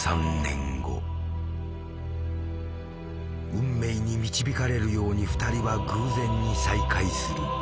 運命に導かれるように２人は偶然に再会する。